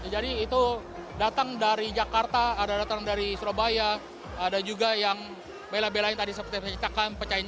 itu datang dari jakarta ada datang dari surabaya ada juga yang bela belain tadi seperti saya